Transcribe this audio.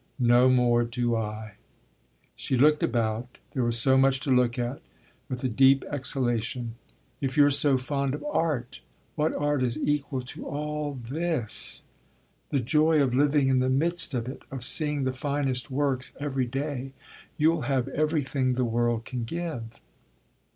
"No more do I!" She looked about there was so much to look at with a deep exhalation. "If you're so fond of art, what art is equal to all this? The joy of living in the midst of it of seeing the finest works every day! You'll have everything the world can give."